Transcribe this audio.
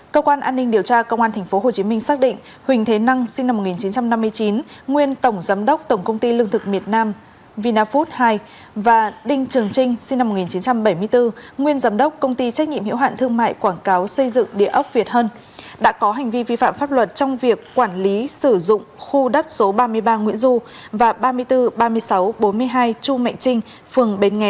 cơ quan an ninh điều tra công an tp hcm đang điều tra làm rõ các sai phạm tại tổng công ty lương thực miền nam vina food hai và một số đơn vị liên quan